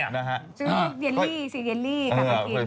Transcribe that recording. สีเยลลี่สีเยลลี่กลับมากิน